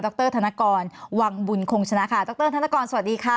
รธนกรวังบุญคงชนะค่ะดรธนกรสวัสดีค่ะ